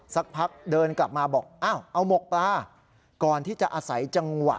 สักพักเดินกลับมาบอกอ้าวเอาหมกปลาก่อนที่จะอาศัยจังหวะ